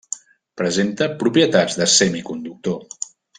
Presenta propietats de semiconductor.